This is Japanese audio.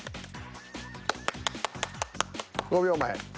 ５秒前。